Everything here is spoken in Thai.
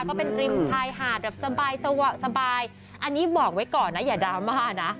ก็เป็นริมชายหาดแบบสบายอันนี้บอกไว้ก่อนนะอย่าดราม่านะ